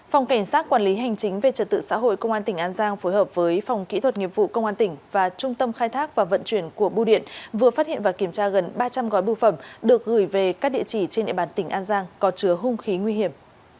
phòng cảnh sát quản lý hành chính về trật tự xã hội công an tỉnh an giang phối hợp với phòng kỹ thuật nghiệp vụ công an tỉnh và trung tâm khai thác và vận chuyển của bưu điện vừa phát hiện và kiểm tra gần ba trăm linh gói bưu phẩm được gửi về các địa chỉ trên địa bàn tỉnh an giang có chứa hung khí nguy hiểm